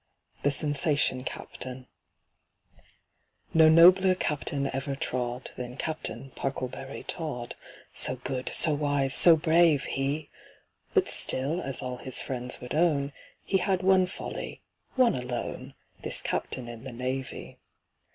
THE SENSATION CAPTAIN NO nobler captain ever trod Than CAPTAIN PARKLEBURY TODD, So good—so wise—so brave, he! But still, as all his friends would own, He had one folly—one alone— This Captain in the Navy.